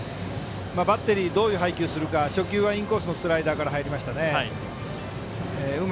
バッテリー、どういう配球するか初球はインコースのスライダーから入りましたね。